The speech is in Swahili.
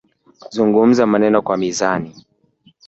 "Zungumza maneno kwa mizani"